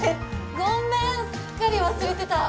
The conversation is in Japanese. ごめんすっかり忘れてた！